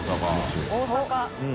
大阪。